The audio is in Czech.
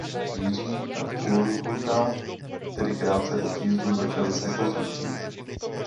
Jiří a Kunhuta tedy krátce po příjezdu začali s rekonstrukcí.